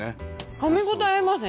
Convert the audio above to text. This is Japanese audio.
かみ応えありますね。